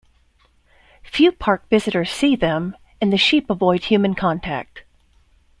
Few park visitors see them, and the sheep avoid human contact.